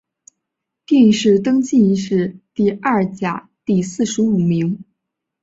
殿试登进士第二甲第四十五名。